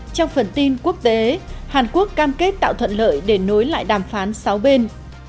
trong phần tin quốc tế hàn quốc cam kết tạo thuận lợi để nối lại đàm phán sáu bên